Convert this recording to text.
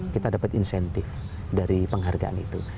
kita dapat insentif dari penghargaan itu